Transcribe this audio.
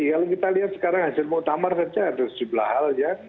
kalau kita lihat sekarang hasil muktamar saja ada sejumlah hal ya